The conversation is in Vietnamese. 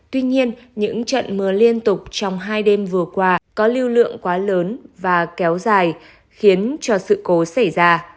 tuy nhiên những trận mưa liên tục trong hai đêm vừa qua có lưu lượng quá lớn và kéo dài khiến cho sự cố xảy ra